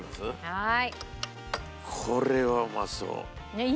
はい。